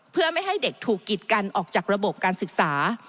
เพื่อไม่ให้เด็กถูกกิดกันออกจากระบบการศึกษา